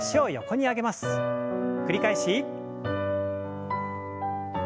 繰り返し。